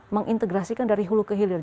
mengintegrasikan dari hulu ke hilir